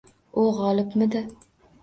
U g`olibmidi